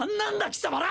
貴様ら！